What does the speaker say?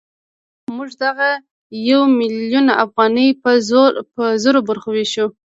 موږ دغه یو میلیون افغانۍ په زرو برخو وېشو